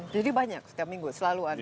banyak setiap minggu selalu ada